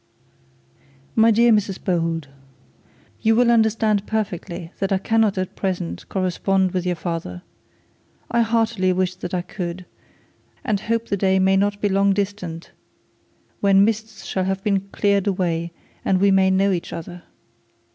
'My dear Mrs Bold, You will understand perfectly that I cannot at present correspond with your father. I heartily wish that I could, and hope the day may be not long distant, when mists shall have cleared away, and we may know each other.